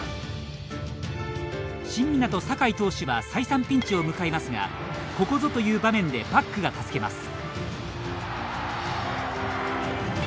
新湊酒井投手は再三ピンチを迎えますがここぞという場面でバックが助けます。